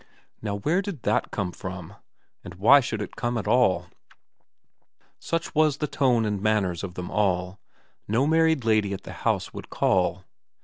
... Now where did that come from ? And why should it come at all ? Such was the tone and manners of them all No married lady at the house would call.